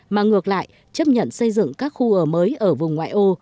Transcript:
mà ngược lại chấp nhận xây dựng các khu ở mới ở vùng ngoại ô